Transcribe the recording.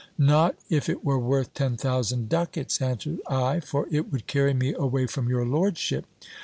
Not if it were worth ten thousand ducats, an swered I, for it would carry me away from your lordship.